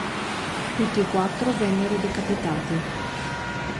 Tutti e quattro vennero decapitati.